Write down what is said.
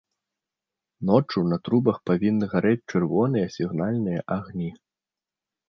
Ноччу на трубах павінны гарэць чырвоныя сігнальныя агні.